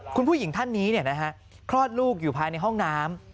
คุณผู้หญิงท่านนี้คลอดลูกอยู่ภายในห้องน้ำ